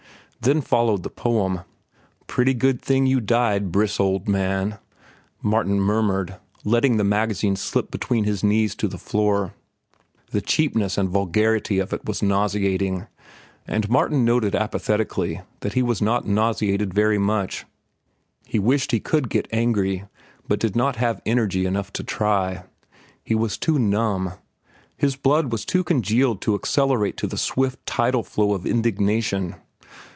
Then followed the poem. "Pretty good thing you died, Briss, old man," Martin murmured, letting the magazine slip between his knees to the floor. The cheapness and vulgarity of it was nauseating, and Martin noted apathetically that he was not nauseated very much. He wished he could get angry, but did not have energy enough to try. He was too numb. His blood was too congealed to accelerate to the swift tidal flow of indignation.